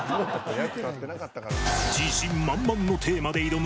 自信満々のテーマで挑む